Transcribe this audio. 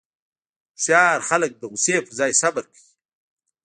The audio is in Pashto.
هوښیار خلک د غوسې پر ځای صبر کوي.